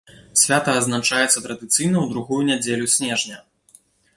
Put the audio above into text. Свята адзначаецца традыцыйна ў другую нядзелю снежня.